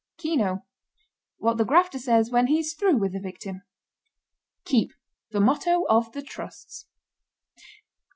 KENO. What the grafter says when he's through with the victim. KEEP. The motto of the Trusts.